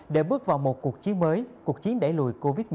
của cuộc chiến mới cuộc chiến đẩy lùi covid một mươi chín